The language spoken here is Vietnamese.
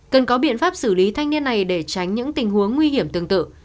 cần có biện pháp xử lý thanh niên này để tránh những tình huống nguy hiểm tương tự